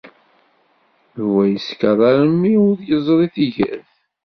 Yuba yeskeṛ armi ur yeẓri tigert.